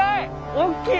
大きい！